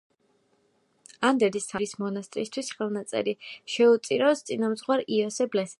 ანდერძის თანახმად, წმინდა გრიგოლის მონასტრისთვის ხელნაწერი შეუწირავს წინამძღვარ იოსებ ლესელიძეს.